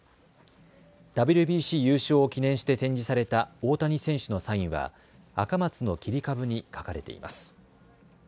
ＷＢＣ優勝を記念して展示された大谷選手のサインはアカマツの切り株に書かれています。